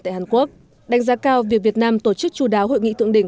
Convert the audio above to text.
tại hàn quốc đánh giá cao việc việt nam tổ chức chú đáo hội nghị thượng đỉnh